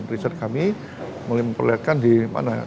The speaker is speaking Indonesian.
riset kami melihatkan di mana ya